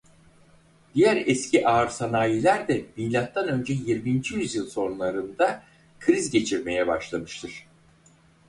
Diğer eski ağır sanayiler de Milattan önce yirminci yüzyıl sonralarında kriz geçirmeye başlamıştır.